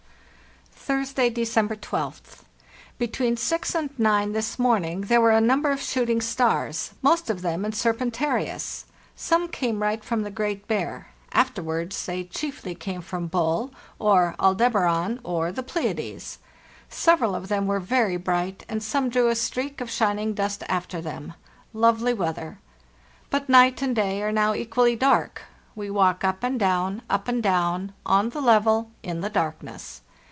"Thursday, December 12th. Between six and nine this morning there were a number of shooting stars, most of them in Serpentarius. Some came right from the Great Bear; afterwards they chiefly came from the Bull, or Aldebaran, or the Pleiades. Several of them were very bright, and some drew a streak of shining dust after them. Lovely weather. But night and day are now equally dark. We walk up and down, up and down, on the level, in the darkness.